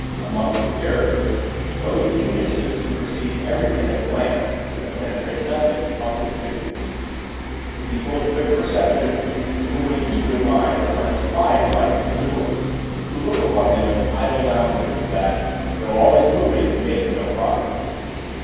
Amongst the characters, those geniuses, who perceive everything at a glance, but penetrate nothing, are conspicuous. People of quick perception, whom we use to admire, are despised by the Potuans, who look upon them as idle loungers, that, though always moving, make no progress.